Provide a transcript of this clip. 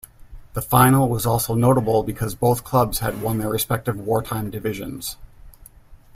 The final was also notable because both clubs had won their respective wartime divisions.